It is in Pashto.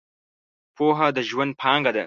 پوهنه د ژوند پانګه ده .